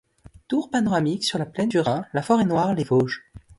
Tour panoramique sur la plaine du Rhin, la Forêt-Noire, les Vosges.